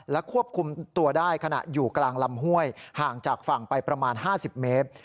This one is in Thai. ควบคุมตัวได้ขณะอยู่กลางลำห้วยห่างจากฝั่งไปประมาณ๕๐เมตร